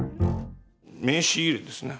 名刺入れですね。